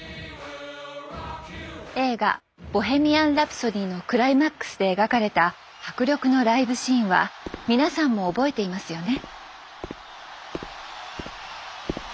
映画「ボヘミアン・ラプソディ」のクライマックスで描かれた迫力のライブシーンは皆さんも覚えていますよね。